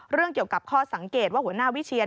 เกี่ยวกับข้อสังเกตว่าหัวหน้าวิเชียน